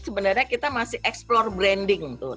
sebenarnya kita masih explore branding tuh